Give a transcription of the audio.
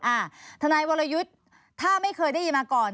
ทนายวรยุทธ์ถ้าไม่เคยได้ยินมาก่อน